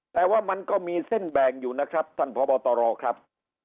แต่ว่ามันก็มีเส้นแบ่งอยู่นะครับท่านพบตรครับ